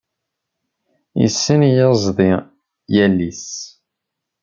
Issen yiẓḍi yall-is.